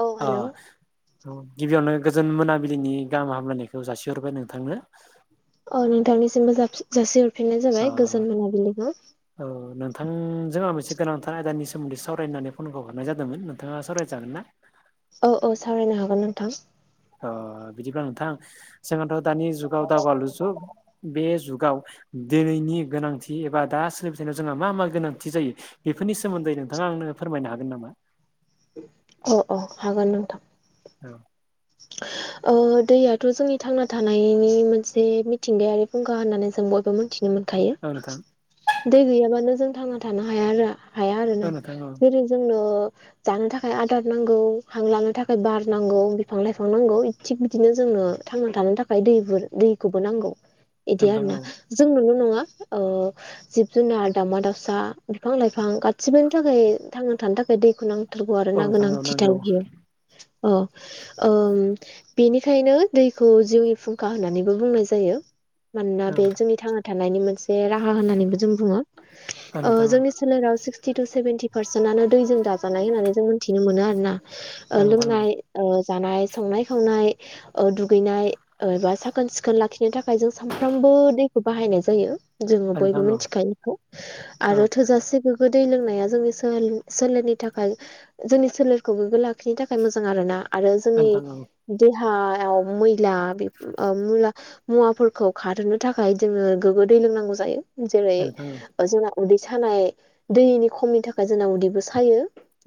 औ [unintelligible] हेलौ अं गिबियावनो गोजोन मोनाबिलिनि गाहाम हामलायनायखौ जासिहरबाय नोंथांनो। औ नोंथांनिसिमबो जासि जासिहरफिननाय जाबाय गोजोन मोनाबिलिखौ। औ नोंथांजोंहा मोनसे गोनांथार आयदानि सोमोन्दै सावरायनानै फनखौ हरनाय जादोंमोन नोंथाङा सावरायजागोन ना औ औ सावरायनो हागोन नोंथां अ बिदिब्ला नोंथां जोंथ' दानि जुगाव दावगालु जुग बे जुगाव दिनैनि गोनांथि एबा दा सोलिबायथानायाव जोंहा मा मा गोनांथि जायो बेफोरनि सोमोन्दै नोंथाङा आंनो फोरमायनो हागोन नामा अ अ हागोन नोंथां औ [inaudible] ओ दैयाथ' जोंनि थांना थानायनि मोनसे मिथिंगायारि फुंखा होननानै जों बयबो मिथिनो मोन खायो औ नोंथां दै गैयाबानो जों थांना थानो हाया हाया आरो ना औ नोंथां औ जेरै जोंनो जानो थाखाय आदार नांगौ हां लानो थाखाय बार नांगौ बे बिफां लाइफां नांगौ थिग बिदिनो जोंनो थांना थानो थाखाय दै दैखौबो नांगौ बिदि नोंथां आरोना औ जोंनोल' नङा ओ जिब जुनार दाउमा दावसा बिफां लाइफां गासिबोनि थाखाय थांना थानो थाखाय दैखौ नांगौ औ आरोना नोंथां औ गोनांथि नांगौ थार बेयो औ ओम बेनिखायनो दैखौ जिउनि फुंखा होननानैबो बुंनाय जायो। मानोना औ बे जोंनि थांना थानायनि मोनसे राहा होननानैबो जों बुङो औ नोंथां औ जोंनि सोलेराव सिक्सटि टु सेभेन्टि पारसेन्टानो दैजों दाजानाय होननानै जों मोन्थिनो मोनो आरो ना ओ औ नोंथां औ लोंनाय ओ जानाय संनाय खावनाय ओ दुगैनाय एबा साखोन सिखोन लाखिनो थाखाय जों सानफ्रामबो दैखौ बाहायनाय जायो जोङो औ बयबो नोंथां औ मिथिखायो इखौ आरो थोजासेबो दै लोंनाया जोंनि सोलेरनि थाखाय जोंनि सोलेर गोगो लाखिनो थाखाय मोजां आरोना आरो जोंनि देहायाव [unintelligible] मैला बे [unintelligible] मुवाफोरखौ खारहोनो थाखाय जोङो गोग्गो दै लोंनांगौ जायो जेरै औ नोंथां औ जोंना उदै सानाय दैनि खमिनि थाखाय जोंना उदैबो सायो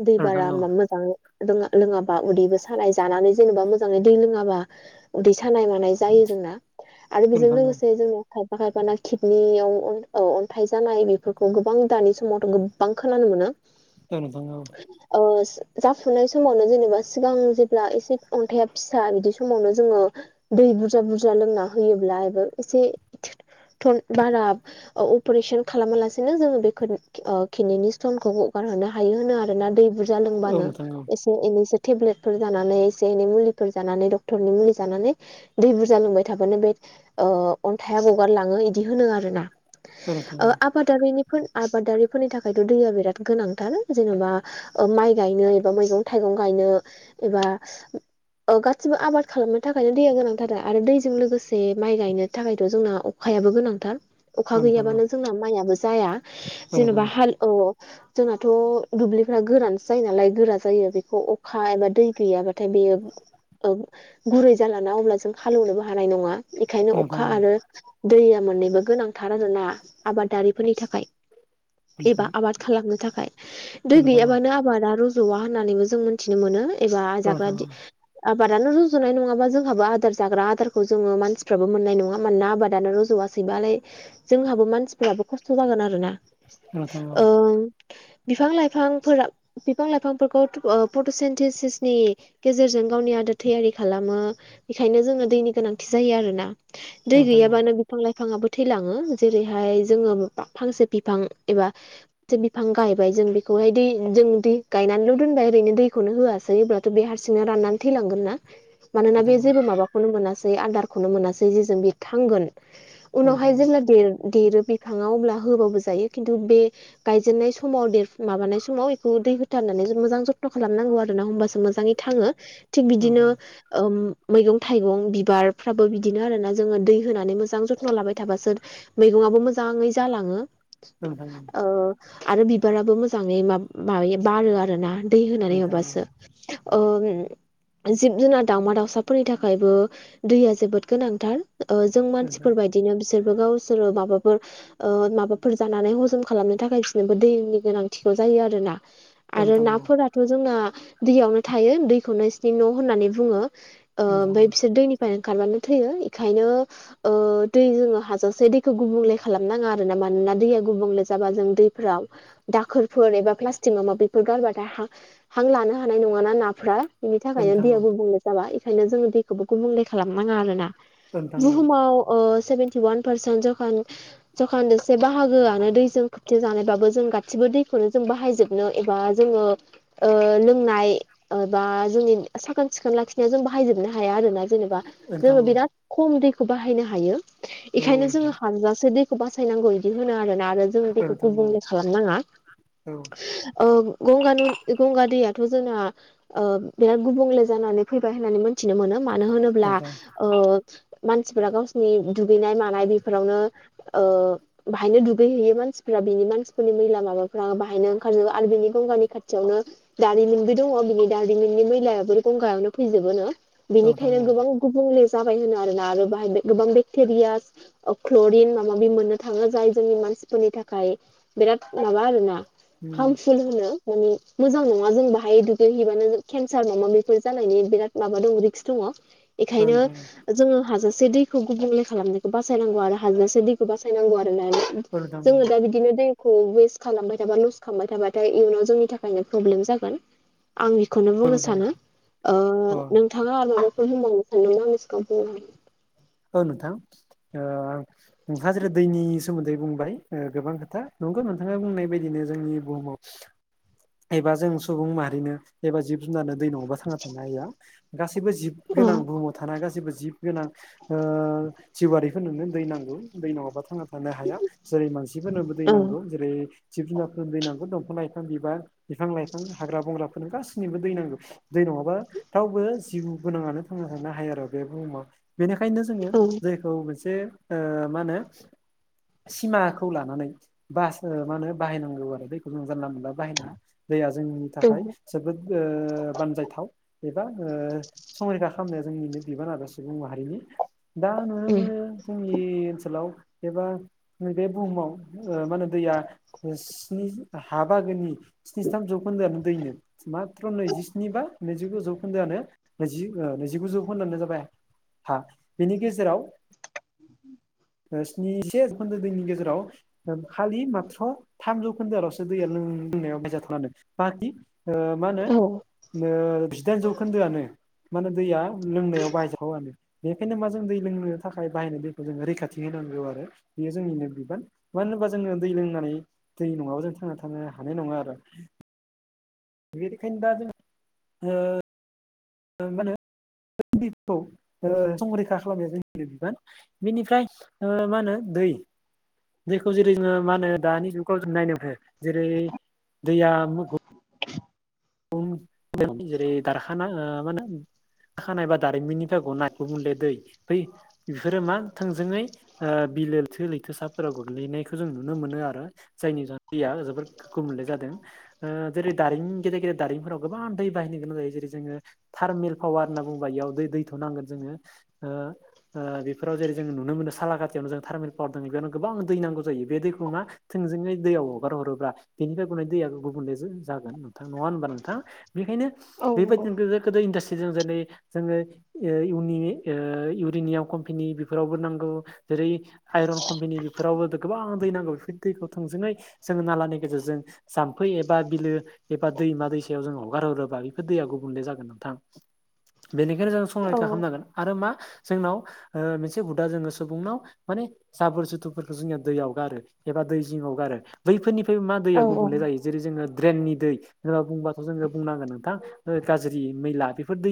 दै औ नोंथां बारा औ मोजां रोङा लोङाबा उदैबो सा सानाय जानानै जेनेबा मोजाङै दै लोङाबा उदै सानाय मा नाय जायो जोंना आरो औ बेजों नोंथां औ लोगोसे जोङो खायफाना किडनियाव औ अन्थाइ जानाय बेफोरखौ गोबां दानि समावथ' गोबां गोबां खोनानो मोनो औ नोंथां औ ओ जाफुनाय समावनो जेनेबा सिगां जेब्ला एसे अन्थाइआ फिसा बिदि समावनो जोङो दै बुरजा बुरजा लोंना होयोब्लाबो एसे बारा अपारेशन खालामालासिनो जोङो बेखौ खिननि स्थनखौ गगारहोनो हायो होनो आरो ना दै बुरजा औ लोंबानो नोंथां औ एसे एनैसो टेब्लेट फोर जानानै एसे एनै मुलिफोर जानानै डक्टरनि मुलि जानानै दै बुरजा लोंबाय थाबानो बे ओ अन्थाइआ गगारलाङो इदि होनो आरो ना औ नोंथां औ आबादारिनि आबादारिफोरनि थाखायथ' दैया बिराद गोनांथार जेन'बा माइ गायनो एबा मैगं थाइगं गायनो एबा गासिबो आबाद खालामनो थाखायनो दैया गोनांथार आरो दैजों लोगोसे माइ गायनो थाखायथ' जोंना अखायाबो गोनांथार अखा औ नोंथां औ गैयाबानो जोंना माइयाबो जाया औ नोंथां जेन'बा हाल औ जोंनाथ' दुब्लिफ्रा गोरानसो जायो नालाय गोरा जायो बेखौ अखा एबा दै गैयाबाथाय बेयो गुरै जालाना अब्ला जों हालेवनोबो हानाय नङा बेखायनो नोंथां अखा औ आरो दैया मोननैबो गोनांथार आरोना आबादारिफोरनि थाखाय औ एबा आबाद खालामनो थाखाय दै नोंथां औ गैयाबानो आबादा रज'आ होननानैबो जों मोनथिनो मोनो बा औ नोंथां औ नोंथां औ जाबादि आबादानो रजनाय नङाबा जोंहाबो आदार जाग्रा आदारखौ जोङो मानसिफ्राबो मोननाय नङा मानोना आबादानो रजवा सैबालाय जोंहाबो मानसिफोराबो खस्थ जागोन आरोना औ नोंथां औ नोंथां औ नोंथां औ ओं बिफां लाइफांफोरा बिफां लाइफांफोरखौ ओ प्रटसेनटिसिस नि गेजेरजों गावनि आदार थैयारि खालामो बेखायनो जोङो दैनि गोनांथि जायो आरोना दै नोंथां गैयाबानो बिफां लाइफाङाबो थैलाङो जेरैहाय जोङो फांसे बिफां एबा फांसे बिफां गायबाय जों बेखौहाय दै जों दै गायनानैल' दोनबाय ओरैनो दैखौनो होआसै जायोब्लाथ बे हारसिंनो राननानै थैलांगोनना मानोना बे जेबो माबा खौनो मैनासै आदारखौनो मोनासै जेजों बे थांगोन उनावहाय जेब्ला देरो बिफाङाव अब्ला होबाबो जायो खिन्थु बे गायजेननाय समाव देरफ माबानाय समाव बेखौ दै होथारनानै मोजां जथन खालामनांगौ आरो होमबासो मोजाङै थाङो थिक बिदिनो ओम मैगं थाइगं बिबारफ्राबो बिदिनो आरोना जोङो दै होनानै मोजां जथ न लाबाय थाबासो मैगंआबो मोजाङै जालाङो औ नोंथां औ ओ आरो बिबाराबो मोजाङै मा माबायो बारो आरोना दै होनानै माबाबासो नोंथां औ नोंथां औ नोंथां औ नोंथां औ नोंथां औ नोंथां औ नोंथां औ नोंथां औ नोंथां औ ओ जिब जुनार दावमा दाउसाफोरनि थाखायबो दैया जोबोद गोनांथार ओ जों मानसिफोरबायदिनो बिसोरबो गावसोरो माबाफोर ओ माबाफोर जानानै हजम खालामनो थाखाय बिसोरनोबो दैनि गोनांथिखौ जायो आरोना आरो नाफोराथ जोंना दैयावनो थायो दैखौनो इसिनि न' होननानै बुङो ओ उम ओमफ्राय बिसोर दैनिफ्रायनो ओंखारबानो थैयो इखायनो ओ दै जोङो हाजासे दैखौ गुबुंले खालाम नाङा आरो ना मानोना दैया गुबुंले जाबा जों दैफोराव दाखोरफोर एबा प्लास्टिक माबा माबिफोर गारबाथाय हा हां लानो हानाय नङााना नाफ्रा बिनि औ थाखायनो नोंथां औ दैया गुबुंले जाबा बेखायनो जोङो दैखौबो गुबुंले खालामनाङा आरोना औ नोंथां औ बुहुमाव ओ सेभेेनटि वान पारसेन्ट जखा जौखोन्दो से बाहागोआनो दैजों खोबथि जानायबाबो जों गासिबो दैखौनो जों बाहायजोब [unintelligible] एबा जोङो ओ लों नाय‌ एबा जोंनि साखोन सिखोन लाखिनायाव जों बाहायजोबनो हाया आरोना जेनेबा जोङो औ बिराद खम दैखौ बाहायनो हायो बेखायनो जोङो हानजासे दै खौ बासायनांगौ इदि होनो आरोना आरो जोंङो बेेखौ गुबुंले खालामनाङा ओ गंगानि गंगा दैया थ जोंना बिराद गुबुंले जानानै फैबाय होननानै मोन थिनो मोनो मानो होनोब्ला मानसिफोरा गावसोरनि दुगैनाय मानाय बेफोरावनो ओ बाहायनो दुगैहैयो मानसिफ्रा बिनि मानसिफोरनि मैला माबाफ्रा बाहायनो ओंखारजोबो आरो बिनि गंगानि खाथियावनो दारिमिनबो दङ बिनि दारिमिननि मैलायाबो गंगायावनो फैजोबोनो बिनिखायनो गोबां गुबुंले जाबाय होनो आरोना आरो बाहाय गोबां बेक्टेरियास क्लरिन माबा माबि मोननो थाङो जाय जोंनि मानसिफोरनि थाखाय बिराद माबा आरोना हार्मफुल होनो माने मोजां नङा जों बाहाय दुगैहैबानो केन्सार माबा माबि बेफोर जानायनि बिराद माबा दङ रिक्स दङ बेखायनो जोङो हाजासे दै खौ गुबुंले खालामनायखौ बासायनांगौ आरो हाजाबसो दैखौ बासायनांगौ आरो जोङो दा बि बिदिनो दैखौ वेस्ट खालामबाय थाबा लस खालामबाय थाबाथाय इयुनाव जोंनि थाखायनो प्रब्लेम जागोन आं बेखौनो बुंनो नोंथां सानो ओ अ नों थाङा आरो माबाफोर होनबावनो सानदोंबा आंनि सिगाङाव बुंनो हागोन औ नोंथां ओ नोंथाङा जेरै दैनि सोमोन्दै बुंबाय ओ गोबां खोथा नंगौ नोंथाङा बुंनाय बायदिनो जोंनि बुहुमाव एबा जों सुबुं माहारिनो एबा जिब जुनारनो दै नङाबा थांना थानो हाया गासैबो जिब गोनां बुहुमाव थानाय गासिबो जिब गोनां जिउआरिफोरनोनो दै नांगौ दै नङाबा थांना था थानो हाया जेरै मानसिफोरनोबो दै हागोन नांगौ जेरै जिब जुनारफोरनो दै नांगौ दंफां लाइफां बिबार बिफां लाइफां हाग्रा बंग्राफोरनो गासैनोबो दै नांगौ दै नङाबा रावबो जिउ गोनाङानो थांना थानो हायो आरो बे बुहुमाव बेनिखायनो जोङो जायखौ मोनसे मा होनो सिमाखौ लानानै बास मा होनो बाहायनांगौ आरो दैखौ जानला मोनला बाहायनो हाया दैया जोंनि थाखाय जोबोद बानजायथाव एबा संरैखा खालामनाया जोंनिनो बिबान आरो सुबुं माहारिनि दा नुनो मोनो जोंनि ओनसोलाव एबा नैबे बुहुमाव मा होनो दैया स्नि हा बागोनि स्निजिथाम जौखोन्दोआनो दैनो माथ्र' नैजिस्नि बा नैजिगु जौखोन्दोआनो नैजि नैजिगु जौखोन्दोआनो जाबाय हा बिनि गेजेराव स्निजिसे जौखोन्दो दैननि गेजेराव खालि माथ्र थामजौ खोन्दोआल'सो दैया लोंनायाव बाखि मा होनो औ जिदाइन जौखोन्दोआनो मा होनो दैया लोंनायाव बाहायजावानो बेनिखायनो मा जों दै लोंनो थाखाय बाहायनाय दैखौ जों रैखा थि होनांगौ आरो बेयो जोंनिनो बिबान मानो होनोबा जोङो दै लोंनानै दै नङाबा जों थांना थांनो हानाय नङा आरो बेनिखायनो दा जों मा होनो बे दैखौ संरैखा खालामनाया जोंनिनो बिबान बेनिफ्राय मा होनो दै दैखौ जेरै जोङो मा होनो दानि जुगाव जों नायनांगौ जेरै दैया जेरै दारखाना मा होनो खानाय बा दारिमिननिफाय गनाय‌ गुबुंले दै बै बेफोरो मा थोंजोङै बिलो लैथो लैथोसाफोराव गोग्लैनायखौ जों नुनो मोनो आरो जायनि जोहै दैया जोबोर गुबुंले जादों जेरै दारिमिन गेदेर गेदेर दारिमफोराव गोबां दै बाहायनो गोनां जायो जेरै जोङो थारमिल पावार होनना बुङोबा इयाव दै दैथ' नांगोन जोङो बेफोराव जेरै जोङो नुनो मोन सालाकाथियावनो जों थारमिल पावार दङ बेयावनो गोबां दै नांगौ जायो बे दैखौ मा थोंजोङै दैयाव हगार हरोब्ला बेनिफ्राय गनाय दैया गुबुनले जागोन नोंथां नङा होनबा नों थां बेनिखायनो औ नंगौ औ बेबायदिनो गोदो गोदो इडास्ट्रिजों जेरै जोङो इउनि इउरिनियाम कम्पेनि बेफोरावबो नांगौ जेरै आइरन कम्पेनि बेफोरावबो गोबां दै नांगौ बेफोर दैखौ थोंजोङै जोङो नालानि गेजेरजों जाम्फै एबा बिलो एबा दैमा दैसा याव जों हगार हरोबा बेफोर दैया गुबुंले जागोन नोंथां बेनिखायनो जों संरैखा खालामनांगोन आरो मा जोंनाव मोनसे हुदा जोङो सुबुंनाव माने साबोर जुथुफोरखौ जोंनिया दैयाव गारो एबा दै जिङाव गारो बैफोरनिफ्राय मा औ दैया गुबुंले जायो जेरै जोङो ड्रेननि दै होनबा बुंब्लाथ' खौ जोङो बुंनांगोन नोंथां गाज्रि मैला बेफोर दै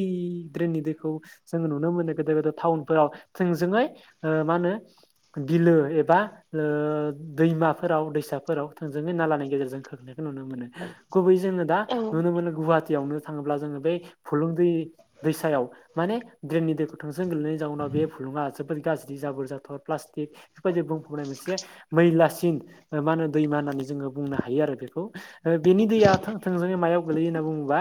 ड्रेननि दैखौ जोङो नुनो मोनो गोदोर गोदोर टाउनफोराव थोंजोङै मा होनो बिलो एबा दैमाफोराव दैसाफोराव थोंजोङै नालानि गेजेरजों खोख्लैनायखौ नुनो मोनो गुबै जोङो दा नुनो मोनो गुवाहाटियावनो थाङोब्ला जोङो बै फुलुं दै दैसायाव माने ड्रेननि दैखौथ' जों गोलैनायनि जाउनाव बे फुलुङा जोबोद गाज्रि जाबोर जाथर प्लास्टिक बेफोरबायदि बुंफाबनाय मोनसे मैलासिन मा होनो दैमा होननानै जोङो बुंनो हायो आरो बेखौ बेनि दैया थों थोंजोङै मायाव गोगलैयो होनना बुङोबा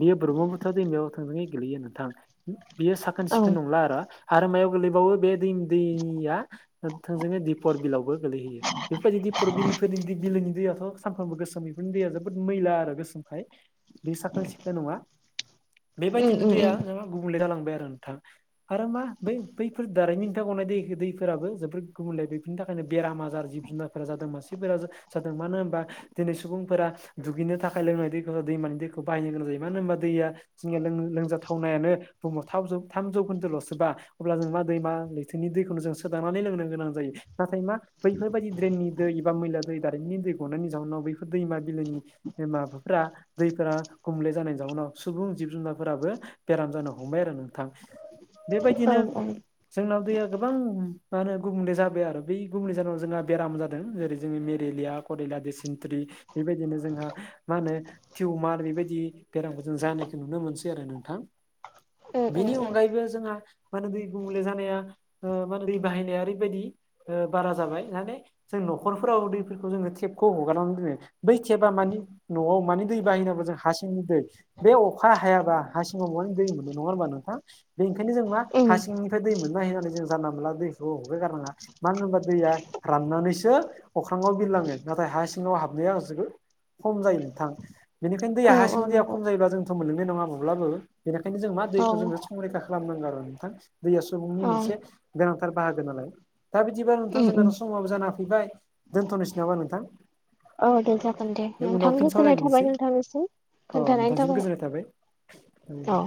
बेयो ब्रह्मपुत्र दैमायाव थांनानै गोलैयो नोंथां बियो साखोन औ सिखोन नंला आरो आरो मायाव गोलैबावो बे दै दैया थोंजोङै दिपर बिलावबो गोलैहैयो बेफोरबायदि दिपर बिलोफोरनि बिलोनि दैयाथ' सानफ्रोमबो गोसोम बेफोरनि दैया जोबोद मैला आरो गोसोम बे साखोन सिखोन नङा बेबायदिनो औ दैया जों गुबुंले जालांबाय आरो नोंथां। आरो मा बै बैफोर दारिमिननिफ्राय गनाय दै दैफोराबो जोबोर गुबुंले बेफोरनि थाखायनो बेराम आजार जि जुनारफोरा जादों मासिफोरा जादों मानो होनबा दिनै सुबुंफोरा दुगैनो थाखाय लोंनाय दै बे दैमानि दैखौ बाहायनो गोनां जायो मानो होनबा दैया जोंनिया लोंजाथावनायानो बुहुमाव थामजौ थामजौखोन्दोल'सो बा अब्ला जों मा दैमा लैथोनि दैखौनो जों सोदांनानै लोंनो गोनां जायो। नाथाय मा बैफोरबायदि ड्रेननि दै एबा मैला दै दारिमननि दै गनायनि जाउनाव बैफोर दैमा बिलोनि माबाफोरा दैफोरा गुबुले जानायनि जाउनाव सुबुं जिब जुनारफोराबो बेराम जानो हमबाय आरो नोंथां बेबायदिनो ओं ओं जोंनाव दैया गोबां मा होनो गुबुंले जाबाय आरो बै गुबुंले जानाय जोंहा बेराम जादों जेरै जोंनि मेलेरिया कररिला दैसिन थ्रि बेबायदिनो जोंहा मा होनो टिउमार बेबायदि बेरामखौ जों जानायखौ नुनो मोनसै आरो नोंथां। बेनि ओम अनगायैबो जोंहा मानो दै गुबुंले जानाया ओ मा होनो दै बाहायनाया ओरैबायाददि ओ बारा जाबाय माने जों न'खरफोराव दैफोरखौ जोङो टेपखौ हगारनानै जोङो बै टेपा मानि न'आव माने दै बाहायनांगौ जों हा सिंनि दै। बे अखा हायाबा हा सिङाव मानि दै मोनो नङा होनोमबा नोंथां बेनिखायनो जों मा हा सिंनि बे दै मोनबाय दै मोनबाय होननानै जों जानला मोनला दैखौ हगार गारनाङा। मानो होनबा दैया राननानैसो अख्राङाव बिरलाङो नाथाय हा सिङाव हाबनाया जोबो खम जायो नोंथां बेनिखायनो औ दैया औ हासिंनि दैया नंगौ खम जायोबा जोंथ' मोननाय नङा माब्लाबो बेनिखायनो जों मा औ दैखौ जोंङो संरैखा खालामनांगौ आरो नोंथां दैया सुबुंनि औ मोनसे गोनांथार बाहागो नालाय। दा बिदिबा नोंथां जोंनाथ' समाबो जाना फैबाय दोनथ'नोसै नामा नोंथां? औ दे जागोन दे नोंथां उनाव फिन गोजोननाय थाबाय सावरायनोसै नोंथांनोसिम। अ नोंथां जोबोद गोजोननाय थाबाय ओं दे। औ